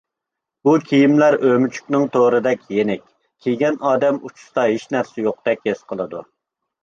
بۇ كىيىملەر ئۆمۈچۈكنىڭ تورىدەك يېنىك، كىيگەن ئادەم ئۇچىسىدا ھېچنەرسە يوقتەك ھېس قىلىدۇ.